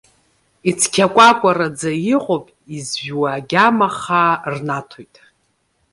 Ицқьакәакәараӡа иҟоуп, изжәуа агьама хаа рнаҭоит.